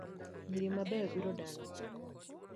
Nyiro mabeyo biro dala